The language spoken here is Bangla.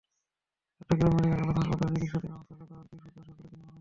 চট্টগ্রাম মেডিকেল কলেজ হাসপাতালে চিকিৎসাধীন অবস্থায় গতকাল বৃহস্পতিবার সকালে তিনি মারা যান।